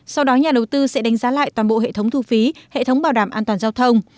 sau đó nhà đầu tư sẽ đánh giá lại toàn bộ hệ thống thu phí hệ thống bảo đảm an toàn giao thông